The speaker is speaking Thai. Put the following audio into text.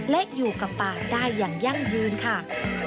และอยู่กับป่าได้อย่างยั่งยืนค่ะ